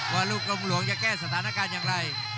ว่าลูกกลมหลวงจะแก้สถานการณ์อย่างไร